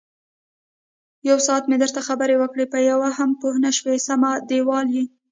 یوساعت مې درته خبرې وکړې، په یوه هم پوی نشوې سم دېوال یې.